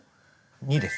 ２です。